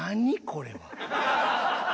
これは。